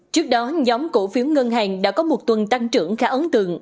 trước đó nhóm cổ phiếu ngân hàng đã có một tuần tăng trưởng khá ấn tượng